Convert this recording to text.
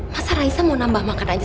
masa raisa mau nambah makan aja